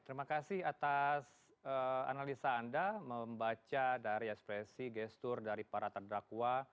terima kasih atas analisa anda membaca dari ekspresi gestur dari para terdakwa